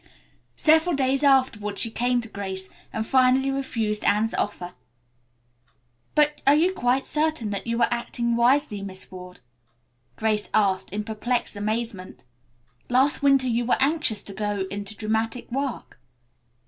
Several days afterward she came to Grace and finally refused Anne's offer. "But are you quite certain that you are acting wisely, Miss Ward?" Grace asked in perplexed amazement. "Last winter you were anxious to go into dramatic work."